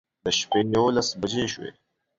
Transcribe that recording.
د شپې يوولس بجې شوې